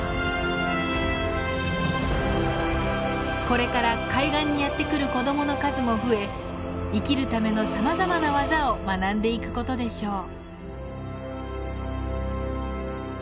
これから海岸にやってくる子どもの数も増え生きるためのさまざまな技を学んでいく事でしょう。